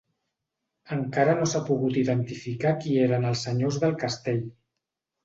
Encara no s'ha pogut identificar qui eren els senyors del castell.